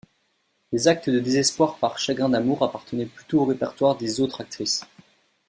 Les actes de désespoir par chagrin d'amour appartenaient plutôt au répertoire des autres actrices.